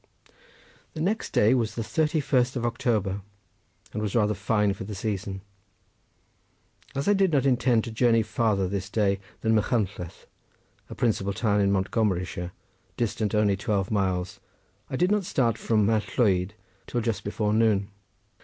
The next day was the thirty first of October, and was rather fine for the season. As I did not intend to journey farther this day than Machynlleth, a principal town in Montgomeryshire, distant only twelve miles, I did not start from Mallwyd till just before noon.